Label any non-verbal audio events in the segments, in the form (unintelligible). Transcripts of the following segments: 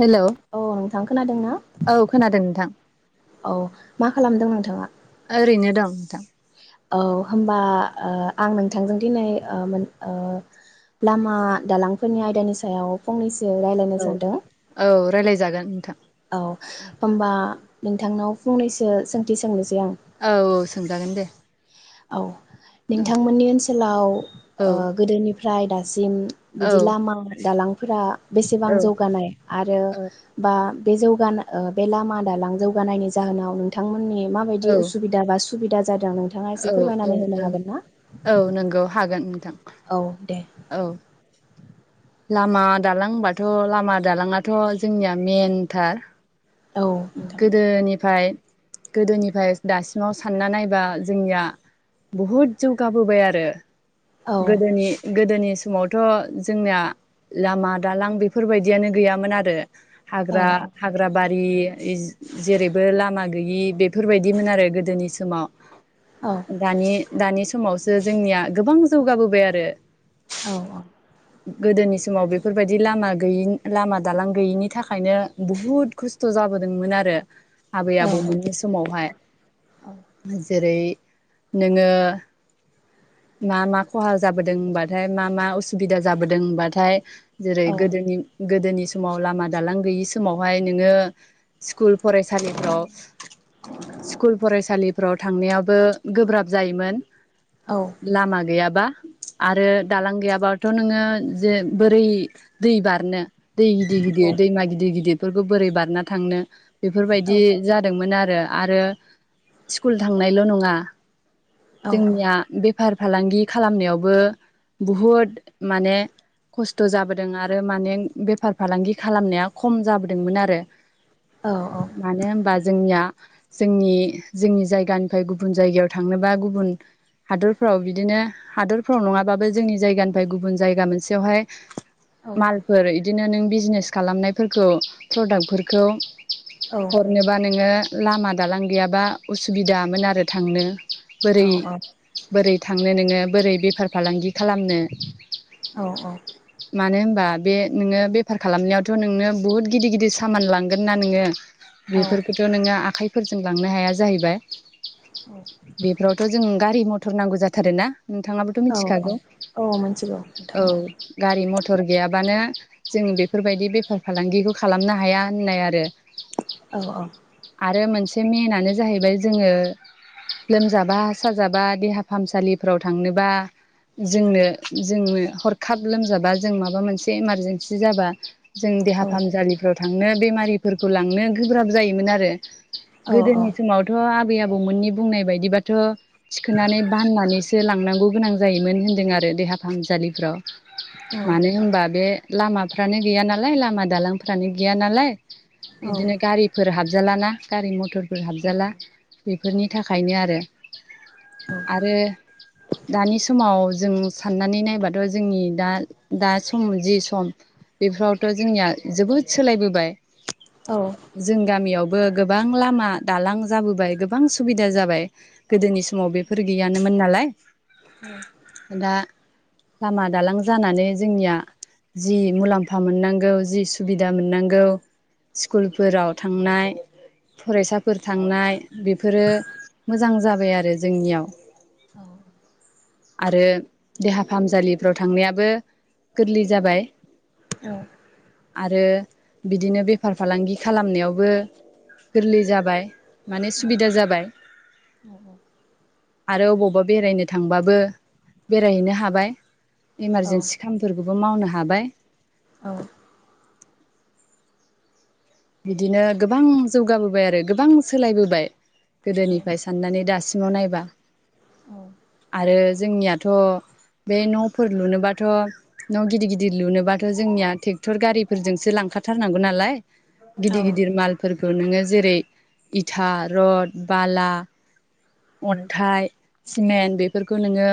Hello औ नोंथां खोनादों ना? औ खोनादों नोंथां औ मा खालामदों नोंथाङा? ओरैनो दं नोंथां। ओ होमबा आं आं नोंथांजों दिनै ओ मोन ओ लामा दालांफोरनि आयदानि सायाव फंनै औ औ रायलायजागोन नोंथां। औ होमबा नोंथांनाव फंनैसो सोंथि सोंनोसै। आं। औ औ सोंजागोन दे। औ। औ नोंथांमोननि ओनसोलाव औ ओ गोदोनि फाय दा सिम औ बिदि लामा दालां फोरा। बेसेबां औ जौगानाय आरो बा बे जौगाना ओ बे लामा दालां जौगानायनि जाहोनाव नोंथांमोन मोननि मा बखयदि उसुबिदा बा सु सुबिदा जादों नोंथां औ औ औ औ नंगौ हागोन नोंथां। औ। दे औ लामा दालां होमबाथ' लामा दालाङाथ' जोंनिया मेनथार। औ नोंथां गोदोनिफाय गोदोनिफाय दासिमाव सानना नायबा जोंनिया बहुद जौगाबोबाय आरो। औ गोदोनि गोदोनि समावथ' जोंनिया लामा दालां बेफोरबायदियानो गैयामोन आरो। औ हाग्रा हाग्रा बा बे जेरैबो लामा गैयि बेफोरबायदिमोन आरो गोदोनि समाव औ दानि दानि समावसो जोंनिया गोबां जौगाबोबाय आरो औ औ गोदोनि समाव बेफोरबायदि लामा गैयि लामा दालां गैयिनि थाखायनो बहुद खस्थ' जाबोदोंमोन आरो आबै औ आबौमोननि समावहाय जेरै नोङो मा मा खहा जाबोदों होनबाथाय मा मा अ सुबिदा जाबोदों होनबाथाय जेरै औ गोदोनि गोदोनि समाव लामा दालां गैयि समावहाय नोङो स्कुल फरायसालिफ्राव स्कुल फरायसालिफ्राव थांनायाबो गोब्राब जायोमोन। लामा गैयाबा आरो दालां गैयाबा थ' नोङो जे बोरै दै बारनो दै गिदिर गिदिर दैमा गिदिर गिदिर बेफोरफोरखौ बोरै बारना थांनो? बेफोरबायदि जादोंमोन आ रो आरो स्कुल थांनायल' नङा जोंनिया बेफार फालांगि खालामनायावबो बहुद माने खस्थ' जाबोदों आरो माने बेफार फालांगि खालामनाया खम जाबोदोंमोन आरो मानो होनबा जोंनिया जोंनि जोंनि जायगानिफ्राय गुबुन जायगायाव थांनोबा गुबुन हादरफ्राव बिदिनो हादरफ्राव नङाबाबो जोंनि जायगानिफ्राय गु बुन जायगा मोनसेयावहाय मालफोर इदिनो नों बिजनेस खालामनाय फोरखौ प्रडाक्टफोरखौ हरनोबा नोङो लामा दालां गैयाबा उसुबिदामोन आरो थांनो। बोरै बोरै थांनो नोङो बोरै बेफार फालांगि खालामनो औ औ। मानो होनबा बे नोङो बेफार खालामनायावथ' नोंनो बहुद गिदिर गिदिर सामान लांगोन ना नोङो औ बेफोरखौथ' नोङो आखाइ फोरजों लांनो हाया जाहैबाय औ बेफोरावथ' जों गारि मथर थर नांगौ जाथारोना नोंथाङाबोथ' औ औ मिथिखागौ औ मिथिगौ नोंथां औ गारि मथर गैयाबानो जों बेफोरबायदि बेफार फालांगिखौ खालामनो हाया होननाय आरो औ औ आरो मोनसे मेनानो जाहैबाय जोङो लोमजाबा साजाबा देहा फाहामसालिफ्राव थांनोबा जोंनो जोंनो हरखाब लोमजाबा जों माबा मोनसे इमारजेन्सि जाबा जों देहा औ फाहामसालिफ्राव थांनो बेमारिफोरखौ लांनो गोब्राब जायोमोन आरो औ गोदोनि समावथ' आ बै आबौमोननि बुंनाय बायदिबाथ' थिखोनानै बाननानैसो लांनांगौ गोनां जायोमोन होनदों आरो देहा फाहामसालिफ्राव मानो होनबा बे लामाफ्रानो गैया नालाय लामा दालांफ्रानो गैया नालाय बिदिनो गारिफोर हाब जालाना गारि मथर फोर हाबजाला बेफोरनि थाखायनो आरो आरो दानि समाव जों साननानै नायबाथ' जोंनि दा दा सम जि सम बेफ्रावथ' जोंनिया जोबोद सोलायबोबाय जों गामियाव बो गोबां लामा दालां जाबोबाय गोबां सुबिदा जाबाय गोदोनि स माव बेफोर गैयानोमोन नालाय दा लामा दालां जानानै जोंनिया जि मुलाम्फा मोननांगौ जि सुबिदा मोननांगौ स्कुलफोराव थांनाय फरायसाफोर थांनाय बेफोरो मोजां जाबाय आरो जोंनियाव आरो देहा फाहामसालिफ्राव थांनायाबो गोरलै जाबाय। औ आरो बिदिनो बेफार फालांगि खालामनायावबो गोरलै जाबाय माने सुबिदा जाबाय। आरो अबावबा बेरायनो थांबाबो। बेरायहैनो हाबाय। औ इमारजेेनसि खामफोरखौबो मावनो हाबाय। बिदिनो गोबां जौगाबोबाय आरो, गोबां सोलायबोबाय गोदोनिफ्राय साननानै दासिमाव नायबा। आरो जोंनिया थ' बे न'फोर लुनोबाथ' न' गिदिर गिदिर लुनोबाथ' जोंनिया ट्रेक्टर गारिफोरजोंसो लांखाथारनांगौ नालाय। औ गिदिर गिदिर माल फोरखौ नोङो जेरै इथा, रड, बाला अन्थाइ सिमेन्ट बेफोरखौ नोङो,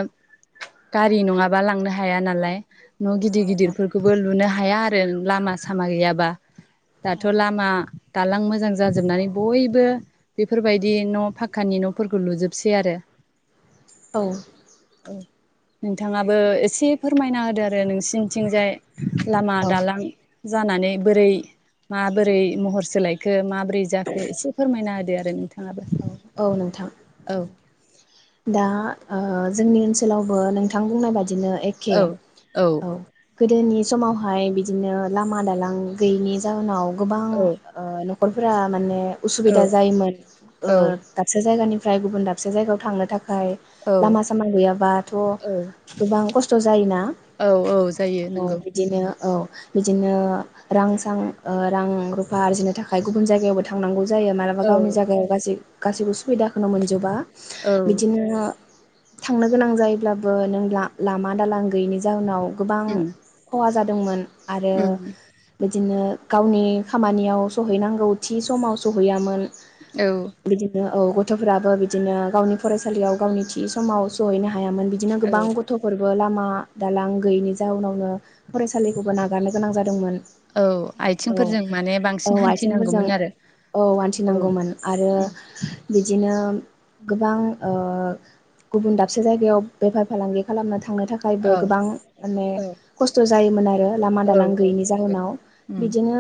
गारि नङाबा लांनो हाया नालाय। न' गिदिर गिदिरफोरखौबो लुनो हाया आरो लामा सामा गैयाबा दाथ' लामा दालां मोजां जाजोबनानै बयबो बेफोरबायदि न' फकानि न'। फोरखौ लुजोबसै आरो। औ। औ नोंथाङाबो एसे फोरमायना होदो आरो नोंसिनिथिंजाय। लामा औ दालां जानानै बोरै। माबोरै महर सोलायखो? माबोरै जाखो? एसे फोरमायना होदो आरो नोंथाङाबो। औ नोंथां। औ दा जोंनि ओनसोलावबो नोंथां बुंनाय बायदि। बिदिनो एखे, औ औ। गोदोनि समावहाय बिदिनो लामा दालां गैयिनि जााहोनाव। गोबां औ नख'रफोरा माने औ उसुबिदा जायोमोन औ दाबसे जायगानि। मफ्राय गुबुन दाबसे जायगायाव थांनो। ओमफ्राय लामा औ सामा गैयाबाथ' औ गोबां खस्थ' जायोना? औ औ जायो नंगौ बिदिनो औ बिदिनो रां सां रां रुफा आरजिनो थाखाय गुबुन जायगायावबो थांनांगौ जायो। जायो मालाबा औ गावनि जायगायाव गासै गासैबो सुबिदाखौनो मोनजोबा। औ बिदिनो। थांनो गोनां जायोब्लाबो नों लामा दालां गैयिनि जाहोनाव। गोबां उम खहा जादों। दंमोन। आरो उम बिदिनो गावनि खामानियाव सहैनांगौ थि समाव सहैयामोन। औ बिदिनो औ गथ'फ्राबो बिदिनो गावनि फरायसालियाव गावनि थि समाव सौहैनो हायामोन बिदिनो औ गोबां गथ'फोरबो लामा मा दालां गैयैनि जाउनावनो फरायसालिखौबो नागारनो गोनां जादोंमोन। औ औ आथिंफोरजों माने औ बांसिन आथिंफोरजों हान्थिनांगौमोन आरो औ औ हान्थिनांगौमोन आरो उम बिदिनो गोबां ओ गुबुन दाबसे जायगायाव बेफार फालांगि खालामना थांनो थाखायबो औ गोबां माने औ खस्थ' जायोमोन आरो। लामा औ दालां औ गैयिनि नंगौ जाहोनाव उम बिदिनो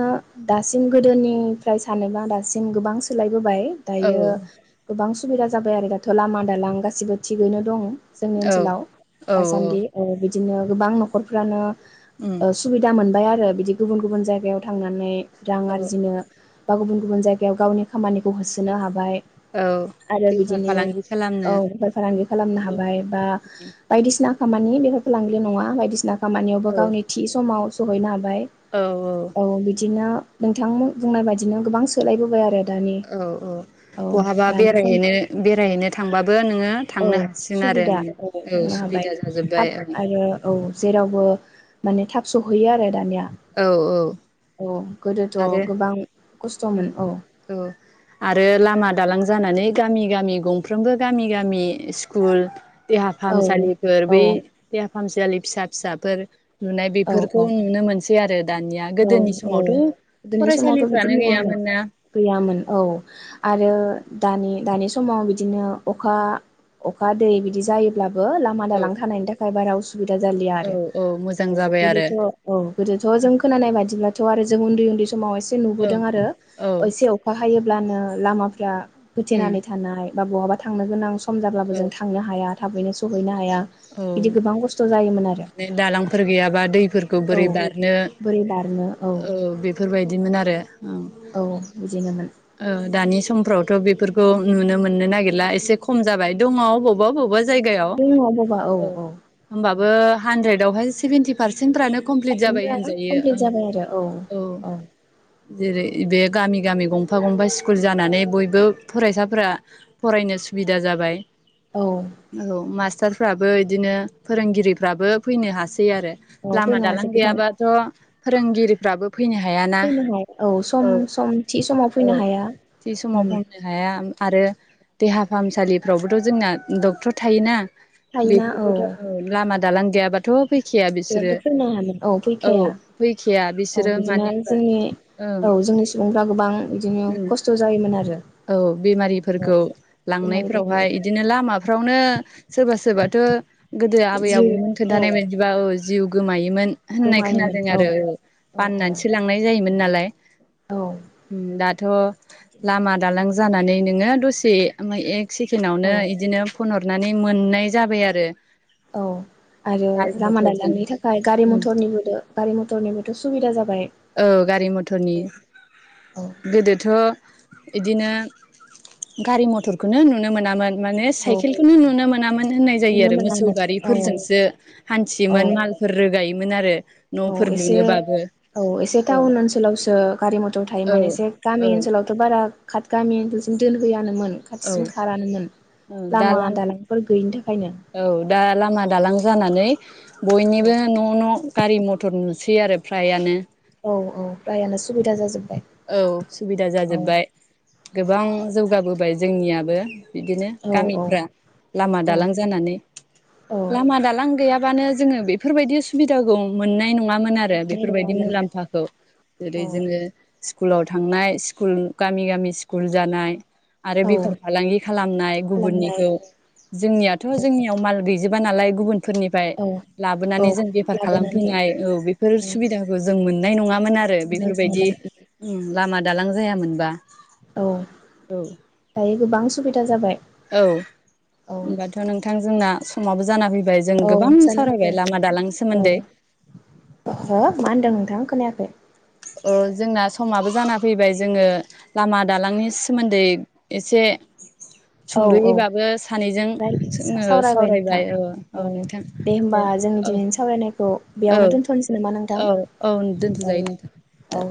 दासिम गोदोनिफ्राय सानोबा दासिम गोबां सोलाय बोबाय औ दायो गोबां सुबिदा जाबाय आरो थ' लामा दालां गासिबो थिगैनो दङ। जोंनि औ ओनसोलाव औ दासान्दि औ बि दिनो गोबां न'खरफ्रानो उम ओ सुबिदा मोनबाय आर रो बिदि गुबुन गुबुन जायगायाव थांनानै रां औ आरजिनो बा गुबुन गुबुन जायगायाव गावनि खामानिखौ होसोनो हाबाय। औ आरो बेफार बिदिनो फालांगि औ खालामनो बेफार फालांगि खालामनो औ हाबाय बा बायदिसि खामानि बेफोरखौ (unintelligible) नङा बायदिसिना खामानियावबो औ गावनि थि समाव (unintelligible) बाय औ औ बिदिनो नोंथां बुंनाय बायदिनो गोबां सोलायबोबाय आरो। दानि औ औ औ बहाबा दानि सम बेरायहैनो बेरायहैनो थांबा बो नोङो औ थांनो हासिगोन आरो सुबिदा औ थांनो हाबाय सुबिदा थाब जाजोबबाय औ। आरो औ जेरावबो माने थाब सहैयो आरो दानिया। औ औ औ गोदोथ' आरो गोबां उम खस्थ'मोन औ आरो लामा दालां जानानै गामि गामि गंफ्रोमबो गामि गामि स्कुल देहा औ फाहामसालिफोर औ बै देहा फाहामसालि फिसा फिसाफोर लुनाय औ बेफोरखौ नुनो मोनसै आरो दानिया गोदोनि समावथ' गोदोननि समावथ' बिदि फरायसालिफ्रानो नुवामोन गैयामोन ना गैयामोन औ आरो दानि दानि समाव बिदिनो अखा अखा दै बिदि जायोब्ला बो लामा औ दालां थानायनि थाखाय बारा उसुबिदा जालिया औ आरो औ मोजां औ जाबाय आरो गोदोथ' औ गोदोथ' जों खोनानाय बादिब्लाथ' आरो जों उन्दै उन्दै सम समाव औ नुबोदों आरो औ एसे अखा हायो लामा लामाफ्रा उम होथेनानै थानाय हायो (inaudible) दा बहाबा थांनो गोनां स सम जाब्लाबो औ जों थांनो हाया थाबैनो सहैना हाया औ बिदि गोबां खस्थ' जायोमोन आरो माने दालांफोर गैयाबा दैफोरखौ औ बोरै बारनो बोरै बारनो औ ओ बे बेफोरबायदिमोन आरो ओम औ बिदिनोमोन ओ दानि समफ्राव थ' बेफोरखौ नुनो मोननो नागिरला एसे खम जाबाय दङ अबावबा अबावबबा जायगायाव दङ बबा औ ओ औ औ होम्बाबो हानद्रेड बेवहाय सेभेनटि फारसे सेनफ्रानो कमप्लिट जाबाय गासैबो होनजायो औ कमप्लिट जाबाय आरो औ जेरै बिदिनो बे गामि गामि गं फा गंफा स्कुल जानानै बयबो फरायसाफोरा फरायनो सुबिदा जाबाय औ औ मास्टारफ्राबो बिदिनो फोरोंगिरिफ्राबो फैनो हासै सै आरो औ लामा दालां फैनासै गोबां गैयाबाथ' फोरोंगिरिफ्राबो फैनो हायाना फैनो हाया औ सम सम थि समाव औ फैनो हाया थि समाव उम बुंनो हाया मा आरो देहा फाहामसालिफ्रावबोथ' जोंना डक्टर थायोना थायोना बेफोरबोथ' औ लामा दालां गैयाबाथ' फै बेहायथ' फैनो हानो औ फैखाया फैखाया औ बिसोरो मानो बिदिनो होनबा जोंनि ओं औ जोंनि सुबुंफ्रा गोबां बिदिनो उम खस्थ' जायोमोन आरो। औ औ बेमारिफोरखौ बेमारिफोरखौ लांनायफोरावहाय इदिनो लामा फ्रावनो सोरबा सोरबाथ' गोदो आबै जिउ आबौमोन खोनथानाय औ बायदिबा औ। जिउ गोमायोमोन होननाय खोनादों आरो औ औ औ बाननानैसो लांनाय जायोमोन नालाय। औ (unintelligible) ओम दाथ' बिदिनो लामा लां जानानै नोङो दसे मा एक एक सेकेणडआवनो औ इदिनो फन हर नानै मोननाय जाबाय आरो। औ आरो गारि लामा मथरजों दालांनि थाखाय गारि मथरनिबो गारि मथरनिबोथ' सुबिदा जाबाय। औ गारि मथरनि औ औ गोदोथ' इदिनो गारि मथरखौनो नुनो मोनामोन। माने औ साइकेलखौनो नुनो मोनामोन होननाय जायो नुनो आरो मोसौ मोनामोन औ गारिफोरजोंसो औ हान्थियोमोन मालफोर रोगायोमोन। मोन आरो। औ न'फोर एसे लुनोबाबो औ एसे औ टाउन ओनसोलावसो गारि मथर औ थायोमोन एसे गामि औ ओनसोलावथ' बारा खाट गामि ओनजोलसिम दोनहैयानोमोन। औ खाथिसिम खारानोमोन लामा दालांफोर गैयिनि थाखाय। औ दा लामा दालां जानानै औ बयनिबो न' न' गारि मथर नुसै आरो फ्रायानो। औ औ फ्रायआनो सुबिदा जाजोबबाय। औ सुबिदा जाजोबबाय गोबां जौगाबो बाय जोंनियाबो। बिदिनो औ औ गामिफ्रा लामा औ दालां जानानै। औ लामा दालां गैयाबानो जोङो बे बेफोरबायदि सुबिदाखौ मोननाय नङा मोन आरो मोननाय बेफोरबायदि नङामोन मुलाम्फाखौ जेरै औ जोङो स्कुलाव थांनाय स्कुल गामि गामि स्कुल जानाय आरो औ बेफार फालांगि खालामनाय खालामनाय गुबुननिखौ। जोंनियाथ' जोंनियाव माल बि जोबा नालाय गुबुन फोरनिफ्राय औ औ लाबोनानै जों बेफार लाबोनानै खालामफैनाय औ बेफोर मोननाय सुबिदाखौ जों मोननाय नङामोन आरो बेफोरबायदि नङामोन उम लामा दालां जायामोनबा। औ औ दायो गोबां सुबिदा जाबाय। औ औ होमबाथ' नोंथां जोंना समाबो जाना फै औ जाना फैबाय। सोमोन्दै औ हो मा होनदों नोंथां? खोनाया खै। अ जोंना समाबो जाना फैबाय जोङो लामा दालांनि सोमोन्दै एसे औ औ सुंद'यैबाबो सानैजों राय जोङो सावरायबाय औ औ नोंथां होमबा दे जोंनि औ। दिनैनि सावरायनायखौ औ बेयावनो दोनथ'नोसै नामा नोंथां औ औ दोनथ' औ जायो नोंथां दे।